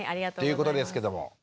ということですけども。